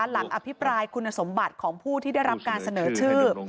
อภิปรายคุณสมบัติของผู้ที่ได้รับการเสนอชื่อ